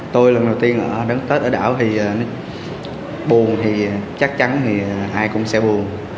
tôi lần đầu tiên đón tết ở đảo thì buồn thì chắc chắn ai cũng sẽ buồn